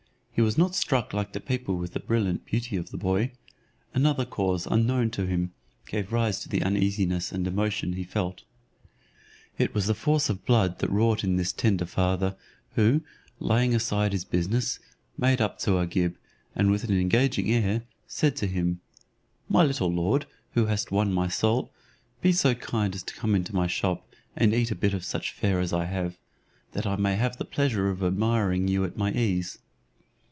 He was not struck like the people with the brilliant beauty of the boy; another cause unknown to him gave rise to the uneasiness and emotion he felt. It was the force of blood that wrought in this tender father; who, laying aside his business, made up to Agib, and with an engaging air, said to him: "My little lord, who hast won my soul, be so kind as to come into my shop, and eat a bit of such fare as I have; that I may have the pleasure of admiring you at my ease."